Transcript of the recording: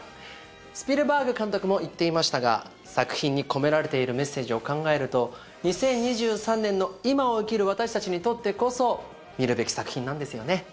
スピルバーグ監督も言っていましたが作品に込められているメッセージを考えると２０２３年の今を生きる私たちにとってこそ見るべき作品なんですよね